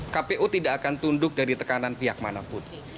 kpu tidak akan tunduk dari tekanan pihak manapun